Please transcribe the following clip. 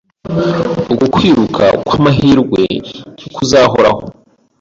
Uku kwiruka kwamahirwe ntikuzahoraho.